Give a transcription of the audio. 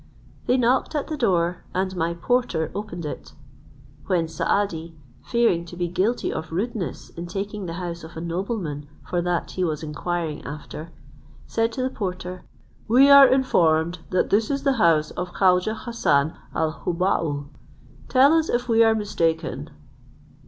They knocked at the door, and my porter opened it; when Saadi, fearing to be guilty of rudeness in taking the house of a nobleman for that he was inquiring after, said to the porter, "We are informed that this is the house of Khaujeh Hassan al Hubbaul: tell us if we are mistaken."